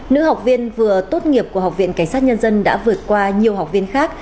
nữ học viên vừa tốt nghiệp của học viện cảnh sát nhân dân đã vượt qua nhiều học viên khác